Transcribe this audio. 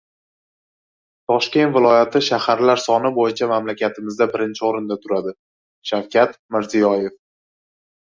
Toshkent viloyati shaharlar soni bo‘yicha mamlakatimizda birinchi o‘rinda turadi- Shavkat Mirziyoyev